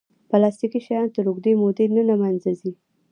پلاستيکي شیان تر اوږدې مودې نه له منځه ځي.